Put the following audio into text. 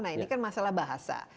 nah ini kan masalah bahasa